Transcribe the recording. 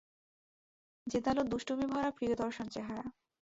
জেদালো দুষ্টুমি-ভরা প্রিয়দর্শন চেহারা।